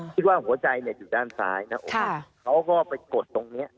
คิดว่าหัวใจอยู่ด้านซ้ายนะเขาก็ไปกดตรงนี้